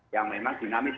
yang memang dinamis